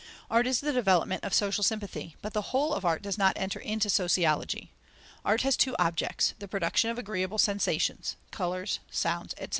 Art is the development of social sympathy, but the whole of art does not enter into sociology. Art has two objects; the production of agreeable sensations (colours, sounds, etc.)